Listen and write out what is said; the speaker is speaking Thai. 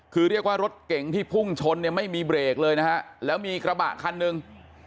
คือเรียกว่ารถเก่งที่พุ่งชนเนี่ยไม่มีเบรกเลยนะฮะแล้วมีกระบะคันหนึ่ง